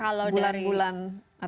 bulan bulan atau tanggal tanggal